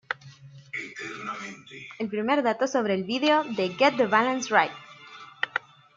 El primer dato sobre el vídeo de '"Get the Balance Right!